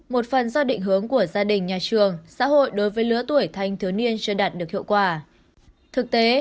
một phần do định hướng của gia đình nhà trường xã hội đối với lứa tuổi thanh thiếu niên chưa đạt được hiệu quả thực tế